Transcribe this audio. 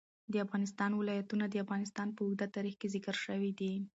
د افغانستان ولايتونه د افغانستان په اوږده تاریخ کې ذکر شوی دی.